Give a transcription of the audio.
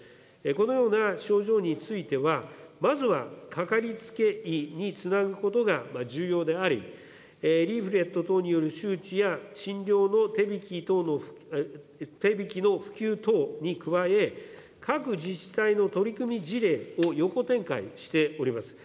このような症状については、まずはかかりつけ医につなぐことが重要であり、リーフレット等による周知や診療の手引きの普及等に加え、各自治体の取り組み事例を横展開しております。